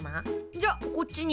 じゃこっちに。